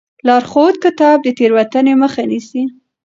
لارښود کتاب د تېروتنې مخه نیسي.